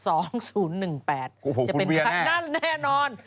โอ้โหคุณเวียแน่ะนั่นแน่นอน